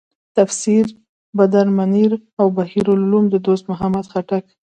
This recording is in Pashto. تفسیر بدرمنیر او بحر العلوم د دوست محمد خټک.